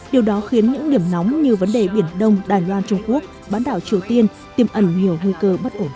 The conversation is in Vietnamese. điều đó khiến những điểm nóng như vấn đề biển đông đài loan trung quốc bán đảo triều tiên tiêm ẩn nhiều nguy cơ bất ổn